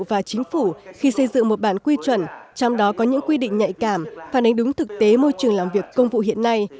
và chính phủ khi xây dựng một bản quy chuẩn trong đó có những quy định nhạy cảm phản ánh đúng thực tế môi trường làm việc công vụ hiện nay